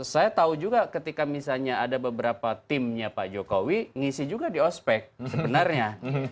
saya tahu juga ketika misalnya ada beberapa timnya pak jokowi ngisi juga di ospek sebenarnya